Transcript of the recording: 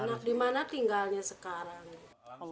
anak di mana tinggalnya sekarang